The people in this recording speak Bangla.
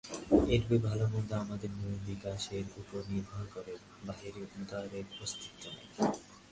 এইরূপে ভাল-মন্দ আমাদের মনের বিকাশের উপর নির্ভর করে, বাহিরে উহাদের অস্তিত্ব নাই।